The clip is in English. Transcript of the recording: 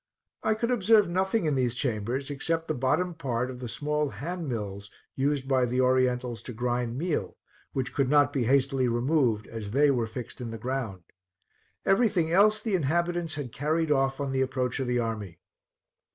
I could observe nothing in these chambers except the bottom part of the small handmills used by the Orientals to grind meal, which could not be hastily removed as they were fixed in the ground; every thing else the inhabitants had carried off on the approach of the army.